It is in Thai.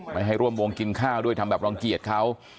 ไม่ให้ร่วมวงกินข้าวด้วยทำแบบรังเกียจเขา